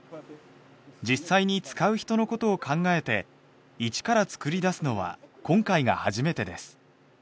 実際に使う人の事を考えて一から作り出すのは今回が初めてです。